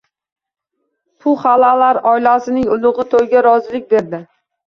Puxalalar oilasining ulugʻi toʻyga rozilik berdi.